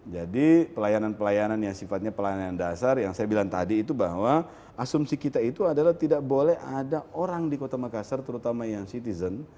jadi pelayanan pelayanan yang sifatnya pelayanan dasar yang saya bilang tadi itu bahwa asumsi kita itu adalah tidak boleh ada orang di kota makassar terutama yang citizen